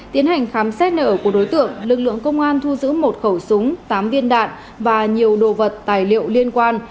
tiến hành khám xét nở của đối tượng lực lượng công an thu giữ một khẩu súng tám viên đạn và nhiều đồ vật tài liệu liên quan